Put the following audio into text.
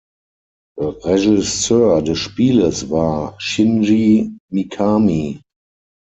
Regisseur des Spieles war Shinji Mikami.